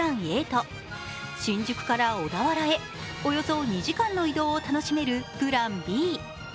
Ａと新宿から小田原へおよそ２時間の移動を楽しめるプランＢ。